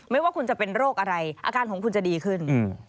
ว่าคุณจะเป็นโรคอะไรอาการของคุณจะดีขึ้น